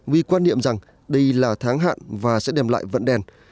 vì quan niệm rằng đây là tháng hạn và sẽ đem lại vận đèn